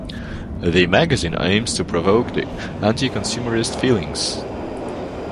The magazine aims to provoke anti-consumerist feelings.